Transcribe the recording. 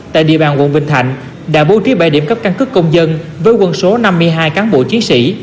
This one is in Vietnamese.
tại địa bàn quận bình thạnh đã bố trí bảy điểm cấp căn cức công dân với quân số năm mươi hai cán bộ chiến sĩ